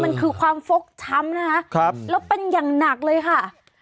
มันคือความฟกช้ำนะฮะ